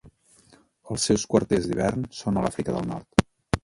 Els seus quarters d'hivern són a l'Àfrica del Nord.